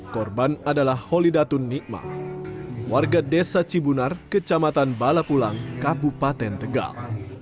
korban adalah holidatun nikma warga desa cibunar kecamatan balapulang kabupaten tegal